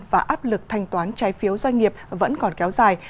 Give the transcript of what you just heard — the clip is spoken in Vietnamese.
và áp lực thanh toán trái phiếu doanh nghiệp vẫn còn kéo dài